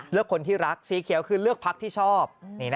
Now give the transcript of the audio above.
เลือกคนที่รักสีเขียวคือเลือกพักที่ชอบ